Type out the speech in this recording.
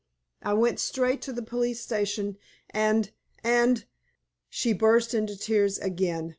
I went straight to the police station, and and " She burst into tears again.